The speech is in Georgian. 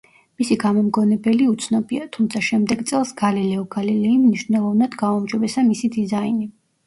მისი გამომგონებელი უცნობია, თუმცა შემდეგ წელს გალილეო გალილეიმ მნიშვნელოვნად გააუმჯობესა მისი დიზაინი.